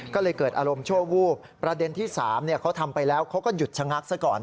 ก็เลยเกิดอารมณ์ชั่ววูบประเด็นที่๓เขาทำไปแล้วเขาก็หยุดชะงักซะก่อน